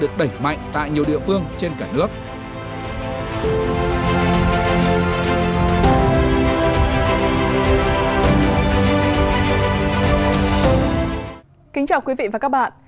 kính chào quý vị và các bạn